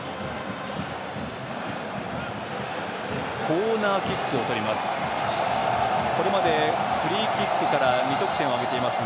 コーナーキックをとります。